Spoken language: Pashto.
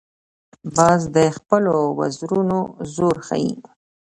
باز د خپلو وزرونو زور ښيي